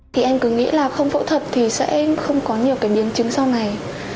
thì em cứ nghĩ là không phẫu thuật thì sẽ không có nhiều cái biến chứng sau này